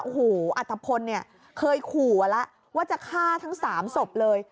โอ้โหอัตภพลเนี่ยเคยขู่แล้วว่าจะฆ่าทั้ง๓ศพเลย